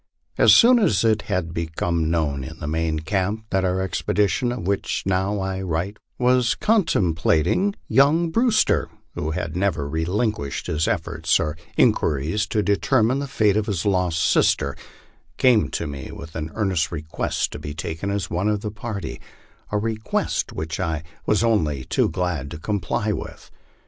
As soon as it had become known in the main camp that the expedition of which I now write was con templated, young Brewster, who had never relinquished his efforts or inqui ries to determine the fate of his lost sister, came to me with an earnest re quest to be taken as one of the party a request which I was only too glad to comply with.